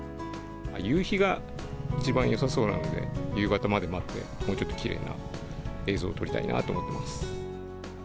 夕日が一番よさそうなので、夕方まで待って、もうちょっときれいな映像を撮りたいかなと思ってます。